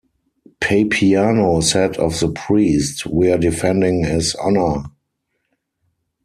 Papiano said of the priest: We're defending his honor.